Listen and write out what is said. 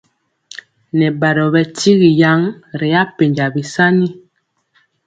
Nɛ badɔ bɛ tyigi yan ri apenja bisani.